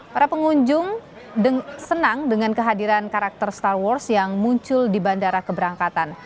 para pengunjung senang dengan kehadiran karakter star wars yang muncul di bandara keberangkatan